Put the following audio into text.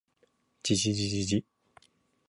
じじじじじ